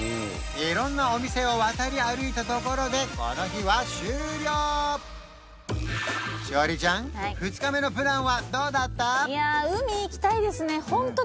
色んなお店を渡り歩いたところでこの日は終了しほりちゃん２日目のプランはどうだった？